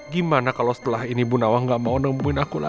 gimana kalo setelah ini bu nawang gak mau nemuin aku lagi